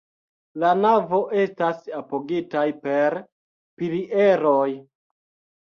La navo estas apogitaj per pilieroj.